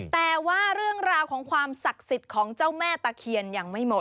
แต่ว่าเรื่องราวของความศักดิ์สิทธิ์ของเจ้าแม่ตะเคียนยังไม่หมด